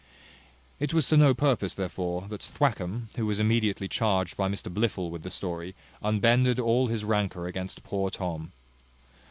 It was to no purpose, therefore, that Thwackum, who was immediately charged by Mr Blifil with the story, unbended all his rancour against poor Tom.